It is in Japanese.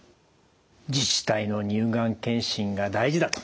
自治体の乳がん検診が大事だと。